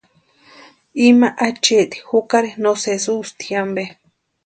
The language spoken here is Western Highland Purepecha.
Ima acheeti jukari no sési ústi ampe.